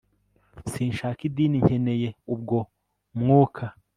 sinshaka idini nkeneye ubwo mwuka